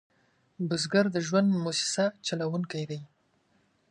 بزګر د ژوند موسسه چلوونکی دی